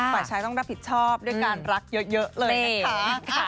ฝ่ายชายต้องรับผิดชอบด้วยการรักเยอะเลยนะคะ